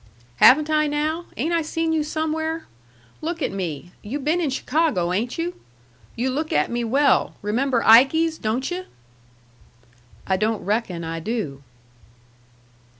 "Haven't I, now? Ain't I seen you somewhere? Look at me. You been in Chicago, ain't you? You look at me well. Remember Ikey's, don't you?" "I don't reckon I do."